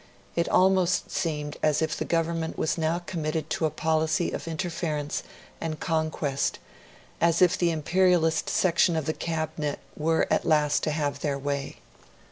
It almost seemed as if the Government was now committed to a policy of interference and conquest; as if the imperialist section of the Cabinet were at last to have their way.